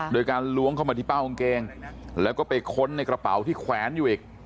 โดยการล้วงเข้ามาที่เป้ากางเกงแล้วก็ไปค้นในกระเป๋าที่แขวนอยู่อีก